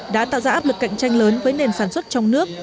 đã tạo ra áp lực cạnh tranh lớn với nền sản xuất trong nước